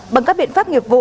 bằng các biện pháp nghiệp vụ